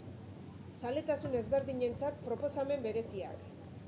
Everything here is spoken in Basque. Zaletasun ezberdinentzat, proposamen bereziak.